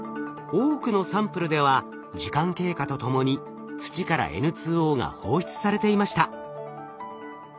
多くのサンプルでは時間経過とともに土からＮＯが放出されていました。